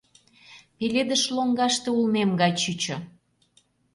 Пеледыш лоҥгаште улмем гай чучо.